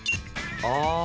ああ。